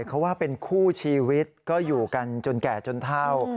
เขาว่าเป็นคู่ชีวิตก็อยู่กันจนแก่จนเท่า